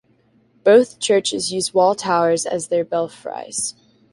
Both churches use wall towers as their belfries.